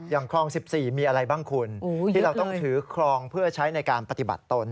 คลอง๑๔มีอะไรบ้างคุณที่เราต้องถือครองเพื่อใช้ในการปฏิบัติตน